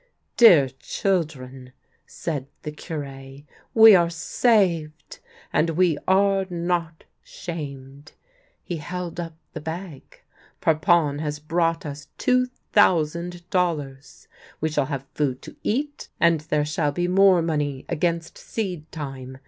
" Dear children," said the Cure, " we are saved, and we are not shamed." He held up the bag. " Parpon has brought us two thousand dollars: we shall have food to eat, and there shall be more money against seed time.